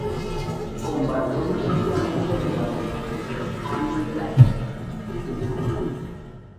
Combatió intensamente durante los primeros años de la guerra.